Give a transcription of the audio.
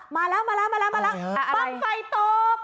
มาแล้วมาแล้วมาแล้วปั้งไฟตบ